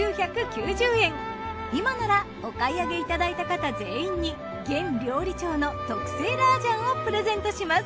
今ならお買い上げいただいた全員に阮料理長の特製ラージャンをプレゼントします。